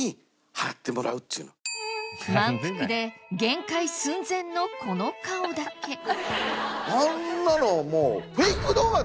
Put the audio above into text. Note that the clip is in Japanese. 満腹で限界寸前のこの顔だけあんなのもう。